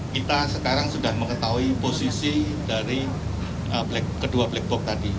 kita sekarang sudah mengetahui posisi dari kedua black box tadi